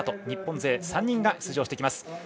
日本勢３人が出場します。